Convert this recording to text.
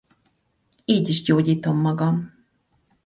Így is gyógyítom magam.